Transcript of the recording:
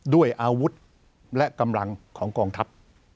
ด้วยอาวุธและกำลังของกองทัพ